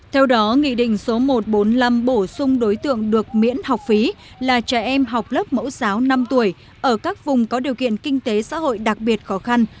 theo đó nghị định số một trăm bốn mươi năm bổ sung đối tượng được miễn học phí là trẻ em học lớp mẫu giáo năm tuổi ở các vùng có điều kiện kinh tế xã hội đặc biệt khó khăn